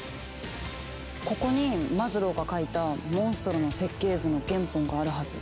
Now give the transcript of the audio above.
ここにマズローが描いたモンストロの設計図の原本があるはず。